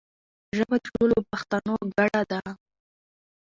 ژبه د ټولو پښتانو ګډه ده.